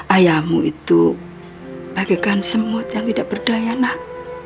ayahmu itu bagaikan semut yang tidak berdaya nak